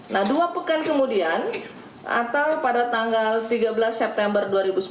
nah dua pekan kemudian atau pada tanggal tiga belas september dua ribu sembilan belas